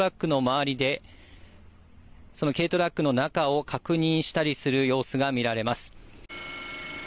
軽トラックの周りでその軽トラックの中を確認したりする様子が見られます。